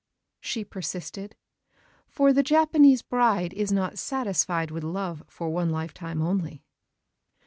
she persisted; for the Japanese bride is not satisfied with love for one life time only.